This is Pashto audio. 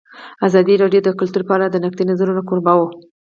ازادي راډیو د کلتور په اړه د نقدي نظرونو کوربه وه.